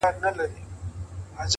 لوړ همت ستړې ورځې کوچنۍ کوي،